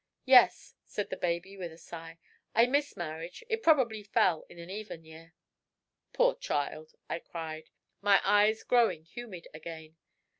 "Yes," said the baby, with a sigh. "I missed marriage; it probably fell in an even year." "Poor child!" I cried, my eyes growing humid again.